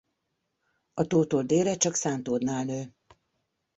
A tótól délre csak Szántódnál nő.